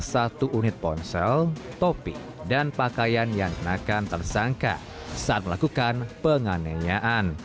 satu unit ponsel topi dan pakaian yang kenakan tersangka saat melakukan penganiayaan